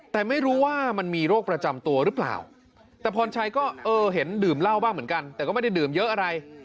แต่ไม่รู้ว่ามันมีโรคประจำตัวหรือเปล่าแต่พรชัยก็เออเห็นดื่มเหล้าบ้างเหมือนกันแต่ก็ไม่ได้ดื่มเยอะอะไร